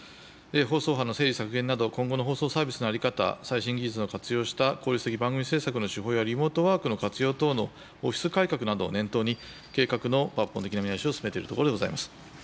放送波の整理、削減など、今後の放送サービスの在り方、最新技術を活用した効率的番組制作の手法やリモートワークの活用等のオフィス改革などを念頭に、計画の抜本的な見直しを進めているところでございます。